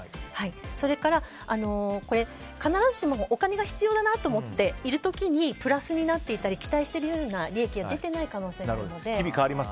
それから、必ずしもお金が必要だなと思っている時にプラスになっていたり期待している利益が出ていない可能性もあるので。